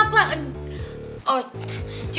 udah udah berapa dia siapa